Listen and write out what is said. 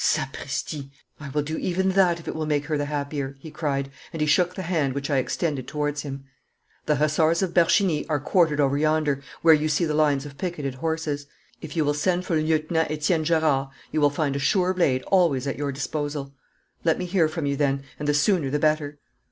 'Sapristi! I will do even that if it will make her the happier!' he cried, and he shook the hand which I extended towards him. 'The Hussars of Bercheny are quartered over yonder, where you see the lines of picketed horses. If you will send for Lieutenant Etienne Gerard you will find a sure blade always at your disposal. Let me hear from you then, and the sooner the better!'